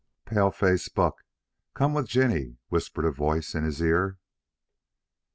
"Paleface buck, come with Jinny," whispered a voice in his ear.